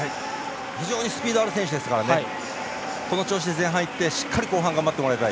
非常にスピードある選手ですから、この調子で前半いって、しっかり後半頑張ってもらいたい。